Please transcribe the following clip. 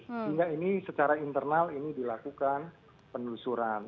sehingga ini secara internal ini dilakukan penelusuran